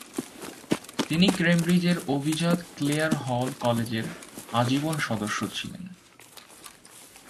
তিনি কেমব্রিজের অভিজাত ক্লেয়ার হল কলেজের আজীবন সদস্য ছিলেন।